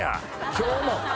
今日も。